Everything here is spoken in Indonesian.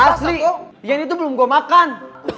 asli yang itu belum gue makan